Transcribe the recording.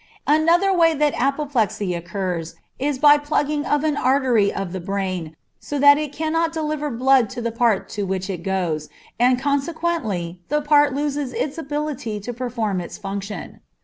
Another way that apoplexy occurs is by plugging of an artery of the brain, so that it cannot deliver blood to the part to which it goes, and consequently the part loses its ability to perform its function.